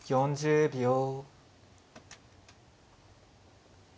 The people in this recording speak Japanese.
４０秒。